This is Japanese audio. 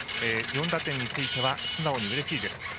４打点については素直にうれしいです。